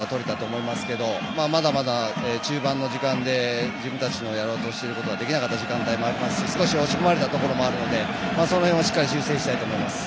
時間帯に関してはいい時間帯にゴールは取れたと思いますけどまだまだ中盤の時間で自分たちのやろうとしていることできなかった時間帯もありますし少し押し込まれたところもあるのでその辺はしっかりと修正したいなと思います。